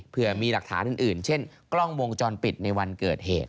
เพื่อมีหลักฐานอื่นเช่นกล้องวงจรปิดในวันเกิดเหตุ